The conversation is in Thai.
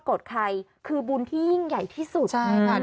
กฎใครคือบุญที่ยิ่งใหญ่ที่สุด